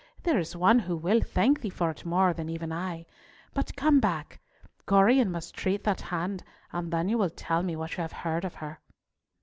There is one who will thank thee for it more than even I. But come back. Gorion must treat that hand, and then you will tell me what you have heard of her."